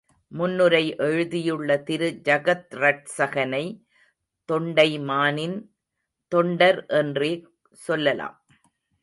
முன்னுரை எழுதியுள்ள திரு ஜகத்ரட்சகனை தொண்டைமானின் தொண்டர் என்றே சொல்லலாம்.